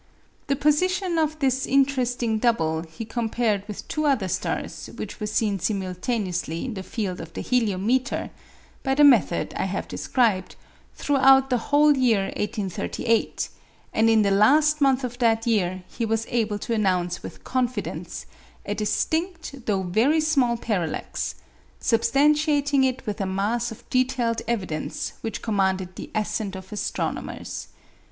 The position of this interesting double he compared with two other stars which were seen simultaneously in the field of the heliometer, by the method I have described, throughout the whole year 1838; and in the last month of that year he was able to announce with confidence a distinct though very small parallax; substantiating it with a mass of detailed evidence which commanded the assent of astronomers.